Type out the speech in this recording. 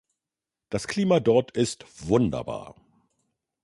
Das Klima dort ist wunderbar.